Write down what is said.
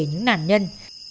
những nạn nhân